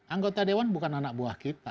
anggota dewan bukan anak buah kita